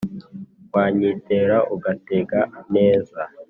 Wanyitera ugatega neza,